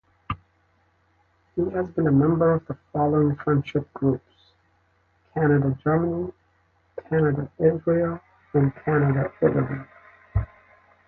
He has been a member of the following Friendship groups: Canada-Germany, Canada-Israel, and Canada-Italy.